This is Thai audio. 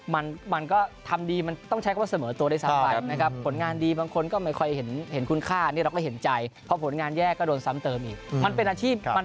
มันก็ทำดีมันต้องใช้คำว่าเสมอตัวได้ซ้ำปลาย